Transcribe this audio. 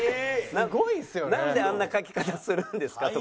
「なんであんな書き方するんですか？」とか。